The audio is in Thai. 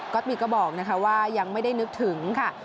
ก๊อตบีก็บอกนะคะว่ายังไม่ได้นึกถึงค่ะ